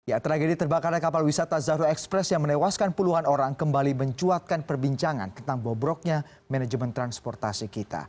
ya tragedi terbakarnya kapal wisata zahro express yang menewaskan puluhan orang kembali mencuatkan perbincangan tentang bobroknya manajemen transportasi kita